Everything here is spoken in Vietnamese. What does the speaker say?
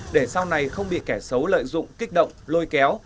để sau này không bị kẻ xấu lợi dụng kích động lôi kéo